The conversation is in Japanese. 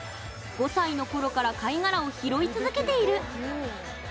５歳のころから貝殻を拾い続けている。